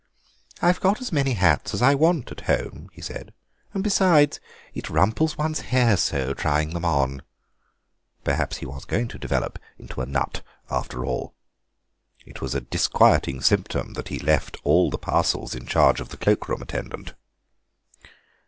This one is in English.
"I've got as many hats as I want at home," he said, "and besides, it rumples one's hair so, trying them on." Perhaps he was going to develop into a Nut after all. It was a disquieting symptom that he left all the parcels in charge of the cloak room attendant.